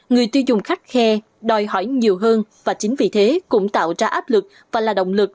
người tiêu dùng khách khe đòi hỏi nhiều hơn và chính vì thế cũng tạo ra áp lực và là động lực